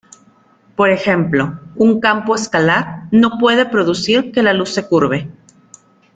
Por ejemplo, un campo escalar no puede producir que la luz se curve.